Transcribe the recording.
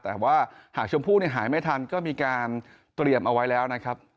แต่ว่าหากชมพู่หายไม่ทันก็มีการเตรียมเอาไว้แล้วนะครับ